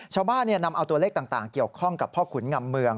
ชาวบ้านนำเอาตัวเลขต่างเกี่ยวข้องกับพ่อขุนงำเมือง